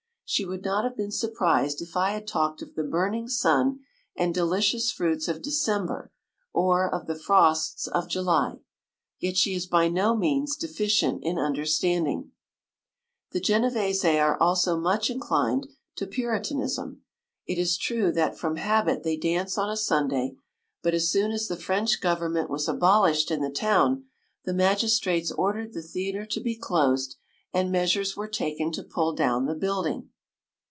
She would not have been surprised if I had talked of the burning sun and delicious fruits of December, or of the frosts of July. Yet she is by no means defi cient in understanding. The Genevese are also much inclined to puritanism. It is true that from ha bit they dance on a Sunday, but as soon as the French government was 105 abolished in the town, the magistrates ordered the theatre to be closed, and measures were taken to pull down the building.